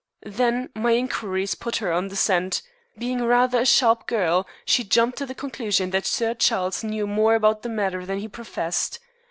Then my inquiries put her on the scent. Being rather a sharp girl, she jumped to the conclusion that Sir Charles knew more about the matter than he professed.